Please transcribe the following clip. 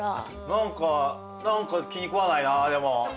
なんかなんか気に食わないなでも。